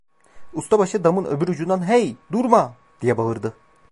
Ustabaşı damın öbür ucundan: "Hey… durma!" diye bağırdı.